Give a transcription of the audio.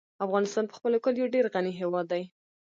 افغانستان په خپلو کلیو ډېر غني هېواد دی.